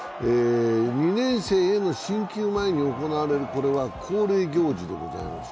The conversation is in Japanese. ２年生への進級前に行われる恒例行事でございます。